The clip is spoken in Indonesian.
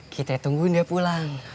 kita tunggu dia pulang